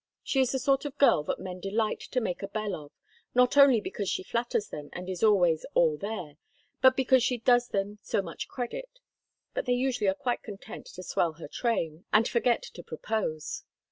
She is the sort of girl that men delight to make a belle of, not only because she flatters them and is always 'all there,' but because she does them so much credit. But they usually are quite content to swell her train, and forget to propose.